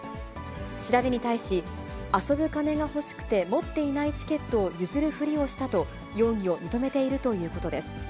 調べに対し、遊ぶ金がほしくて、持っていないチケットを譲るふりをしたと、容疑を認めているということです。